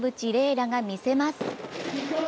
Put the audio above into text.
楽が見せます。